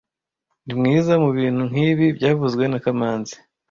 Ni mwiza mubintu nkibi byavuzwe na kamanzi